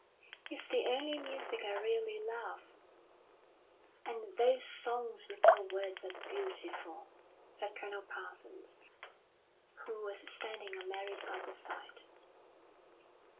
"It's the only music I really love." "And those 'Songs Without Words' are beautiful," said Colonel Parsons, who was standing on Mary's other side.